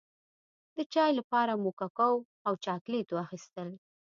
د چای لپاره مو ککو او چاکلېټ واخيستل.